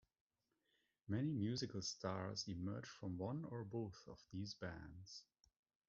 Many musical stars emerged from one or both of these bands.